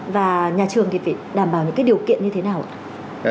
và nhà trường thì phải đảm bảo những cái điều kiện như thế nào ạ